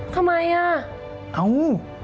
ทำไม